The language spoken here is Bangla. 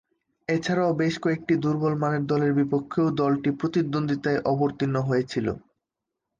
এছাড়াও, বেশ কয়েকটি দূর্বলমানের দলের বিপক্ষেও দলটি প্রতিদ্বন্দ্বিতায় অবতীর্ণ হয়েছিল।